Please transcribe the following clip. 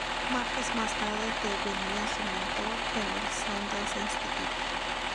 Márquez más tarde devenía su mentor en el Sundance Instituto.